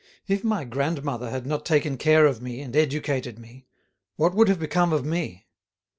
"If my grandmother had not taken care of me and educated me, what would have become of me?